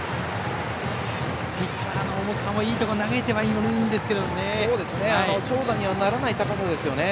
ピッチャーの重川もいいところに投げてはいるんですけどね。